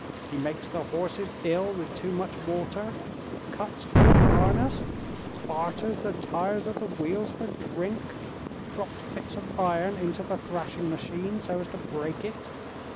He makes the horses ill with too much water, cuts good harness, barters the tires of the wheels for drink, drops bits of iron into the thrashing machine, so as to break it.